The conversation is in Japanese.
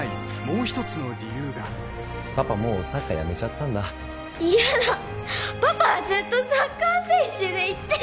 もう一つの理由がパパもうサッカーやめちゃったんだ嫌だっパパはずっとサッカー選手でいて！